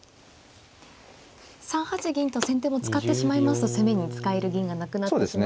３八銀と先手も使ってしまいますと攻めに使える銀がなくなってしまうので。